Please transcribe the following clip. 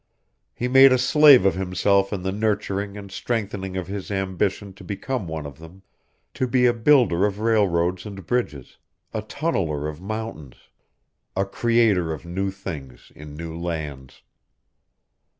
He made a slave of himself in the nurturing and strengthening of his ambition to become one of them to be a builder of railroads and bridges, a tunneler of mountains, a creator of new things in new lands.